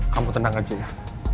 kamu tenang aja ya